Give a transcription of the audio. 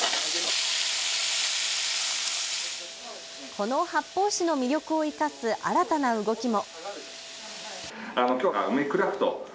この発泡酒の魅力を生かす新たな動きも。